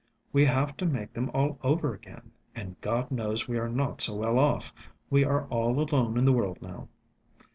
"We have to make them all over again. And God knows we are not so well off. We are all alone in the world now."